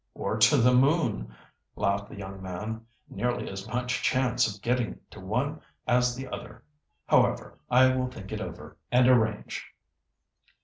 "Or to the moon," laughed the young man. "Nearly as much chance of getting to one as the other. However, I will think it over and arrange."